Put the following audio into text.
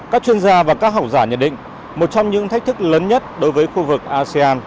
các chuyên gia và các học giả nhận định một trong những thách thức lớn nhất đối với khu vực asean